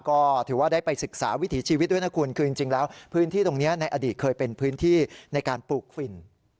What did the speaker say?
ก็ถือว่าได้ไปศึกษาวิถีชีวิตด้วยนะคุณคือจริงแล้วพื้นที่ตรงนี้ในอดีตเคยเป็นพื้นที่ในการปลูกฝิ่น